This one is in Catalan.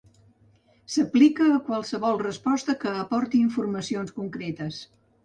S'aplica a qualsevol resposta que aporti informacions concretes.